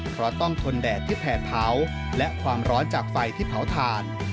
เพราะต้องทนแดดที่แผ่เผาและความร้อนจากไฟที่เผาถ่าน